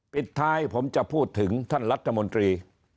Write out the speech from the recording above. ปิดท้ายผมจะพูดถึงท่านรัฐมนตรี